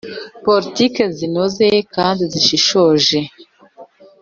politiki zinoze kandi zishishoje